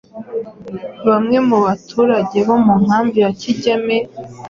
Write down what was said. Bamwe mu baturage bo mu nkambi ya Kigeme